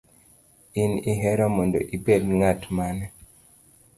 In ihero mondo ibed ng’at mane?